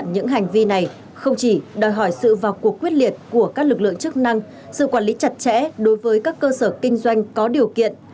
nhưng cũng là cuộc quyết liệt của các lực lượng chức năng sự quản lý chặt chẽ đối với các cơ sở kinh doanh có điều kiện